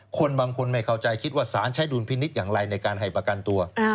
คนบางคนไม่เข้าใจคิดว่าสารใช้ดุลพินิษฐ์อย่างไรในการให้ประกันตัว